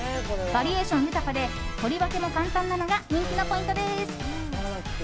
バリエーション豊かで取り分けも簡単なのが人気のポイントです。